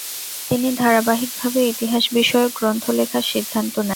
তিনি ধারাবাহিকভাবে ইতিহাস বিষয়ক গ্রন্থ লেখার সিদ্ধান্ত নেন।